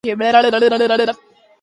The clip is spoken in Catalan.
A qui es reduïen algunes festivitats?